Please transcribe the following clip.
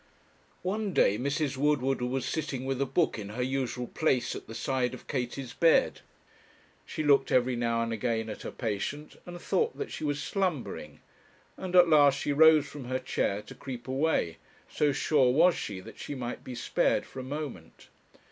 One day Mrs. Woodward was sitting with a book in her usual place at the side of Katie's bed; she looked every now and again at her patient, and thought that she was slumbering; and at last she rose from her chair to creep away, so sure was she that she might be spared for a moment.